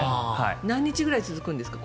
何日くらい続くんですか？